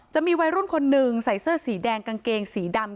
จะมีวัยรุ่นคนหนึ่งใส่เสื้อสีแดงกางเกงสีดำ